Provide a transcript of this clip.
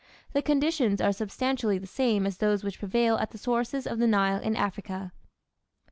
The conditions are substantially the same as those which prevail at the sources of the Nile in Africa.